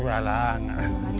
kalau liburan dua hari